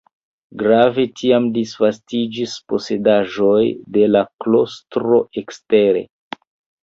Grave tiam disvastiĝis posedaĵoj de la klostro ekstere.